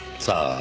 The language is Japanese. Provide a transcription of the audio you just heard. さあ？